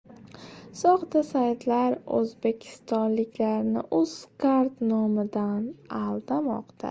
Soxta saytlar o‘zbekistonliklarni “Uzcard” nomidan aldamoqda